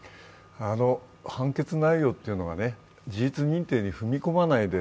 判決内容というのは事実認定に踏み込まないで